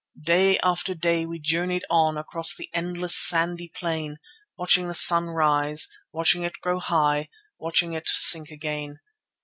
Day after day we journeyed on across the endless, sandy plain, watching the sun rise, watching it grow high, watching it sink again.